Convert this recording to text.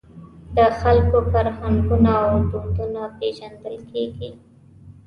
د خلکو فرهنګونه او دودونه پېژندل کېږي.